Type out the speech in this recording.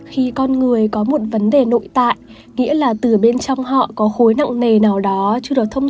khi con người có một vấn đề nội tại nghĩa là từ bên trong họ có khối nặng nề nào đó chưa được thông